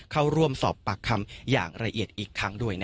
เข้าร่วมสอบปากคำอย่างละเอียดอีกครั้งด้วย